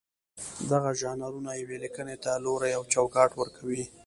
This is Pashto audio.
دغه ژانرونه یوې لیکنې ته لوری او چوکاټ ورکوي.